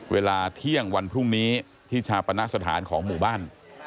เวลาเที่ยงวันพรุ่งนี้ที่ชาปณะสถานของหมู่บ้าน